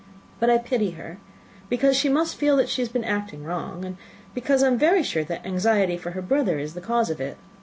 But I pity her, because she must feel that she has been acting wrong, and because I am very sure that anxiety for her brother is the cause of it.